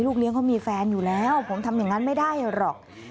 เลี้ยงเขามีแฟนอยู่แล้วผมทำอย่างนั้นไม่ได้หรอก